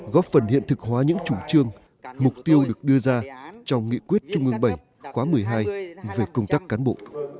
góp phần hiện thực hóa những chủ trương mục tiêu được đưa ra trong nghị quyết trung ương bảy khóa một mươi hai về công tác cán bộ